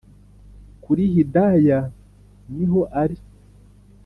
kuri hidaya niho ari